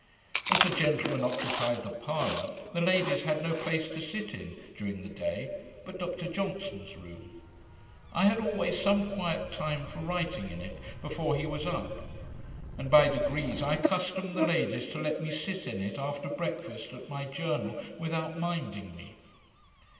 As the gentlemen occupied the parlour, the ladies had no place to sit in, during the day, but Dr Johnson's room. I had always some quiet time for writing in it, before he was up; and, by degrees, I accustomed the ladies to let me sit in it after breakfast, at my Journal, without minding me.